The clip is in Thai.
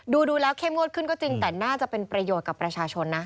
ดูแล้วเข้มงวดขึ้นก็จริงแต่น่าจะเป็นประโยชน์กับประชาชนนะ